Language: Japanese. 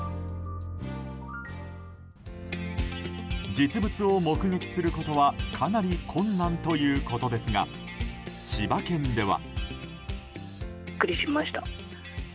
実物を目撃することはかなり困難ということですが千葉県では。